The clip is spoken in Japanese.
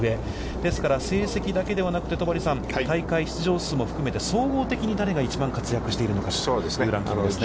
ですから、成績だけでなくて戸張さん、大会出場数も含めて、総合的に誰が一番活躍しているのかというランキングですね。